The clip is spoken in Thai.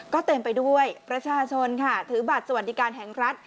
ก็เต็มไปด้วยประชาชนค่ะถือบัตรสวัสดิการแห่งรัฐ